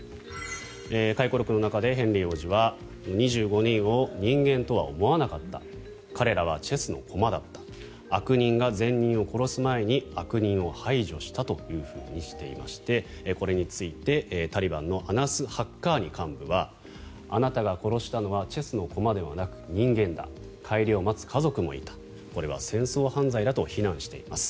回顧録の中でヘンリー王子は２５人を人間とは思わなかった彼らはチェスの駒だった悪人が善人を殺す前に悪人を排除したというふうにしていましてこれについて、タリバンのアナス・ハッカーニ幹部はあなたが殺したのはチェスの駒ではなく人間だ帰りを待つ家族もいたこれは戦争犯罪だと非難しています。